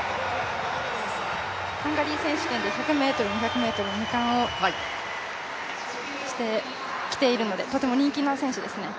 ハンガリー選手権で１００ｍ、２００ｍ２冠をしてきているのでとても人気の選手ですね。